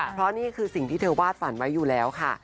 เพราะนี่คือสิ่งที่เธอวาดฝันไว้อยู่แล้วค่ะ